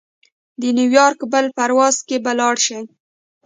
د نیویارک بل پرواز کې به لاړشې.